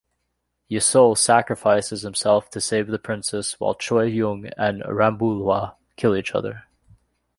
Yeo-sol sacrifices himself to save the princess while Choi-Jung and Rambulwha kill each other.